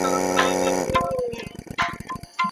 د هوا ککړتیا پر روغتیا څه اغیزه لري؟